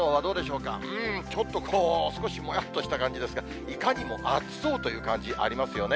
うーん、ちょっとこう、少しもやっとした感じですが、いかにも暑そうという感じありますよね。